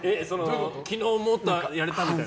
昨日もっとやれたみたいな？